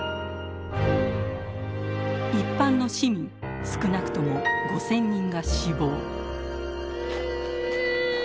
一般の市民少なくとも５，０００人が死亡。